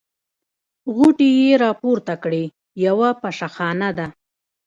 غوټې يې راپورته کړې: یوه پشه خانه ده.